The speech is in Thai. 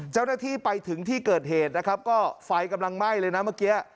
เจ้าหน้าที่ไปถึงที่เกิดเหตุนะครับก็ไฟกำลังไหม้เลยนะเมื่อกี้